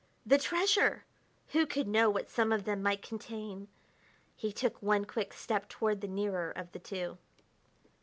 The treasure! Who could know what some of them might contain? He took one quick step toward the nearer of the two.